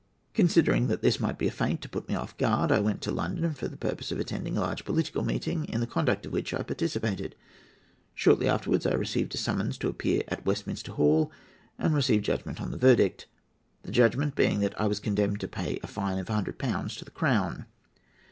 Considering that this might be a feint to put me off my guard, I went to London for the purpose of attending a large political meeting, in the conduct of which I participated. Shortly afterwards I received a summons to appear at Westminster Hall and receive judgment on the verdict; the judgment being that I was condemned to pay a fine of 100£ to the Crown.